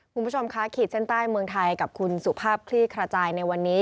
คุณผู้ชมคะขีดเส้นใต้เมืองไทยกับคุณสุภาพคลี่ขจายในวันนี้